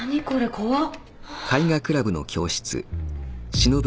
怖っ。